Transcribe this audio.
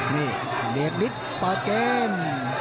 เบียดลิสเปิดเกม